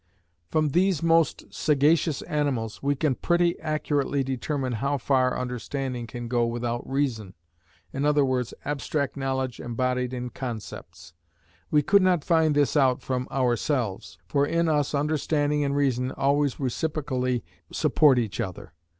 From these most sagacious animals, we can pretty accurately determine how far understanding can go without reason, i.e., abstract knowledge embodied in concepts. We could not find this out from ourselves, for in us understanding and reason always reciprocally support each other.